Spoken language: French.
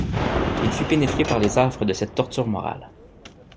Il fut pénétré par les affres de cette torture morale.